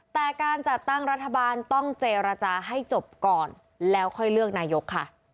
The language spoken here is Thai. แต่การจัดตั้งรัฐบาลต้องเจรจาให้จบก่อนแล้วค่อยเลือกนายกค่ะ